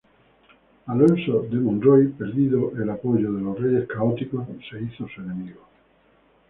Alonso de Monroy, perdido el apoyo de los reyes católicos, se hizo su enemigo.